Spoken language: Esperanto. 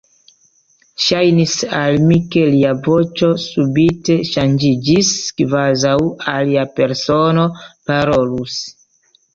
Ŝajnis al mi, ke lia voĉo subite ŝanĝiĝis, kvazaŭ alia persono parolus.